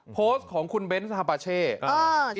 โพสต์ของคุณเบนสภาเช่อ๋อใช่